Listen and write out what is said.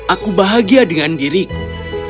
aku bahagia dengan diriku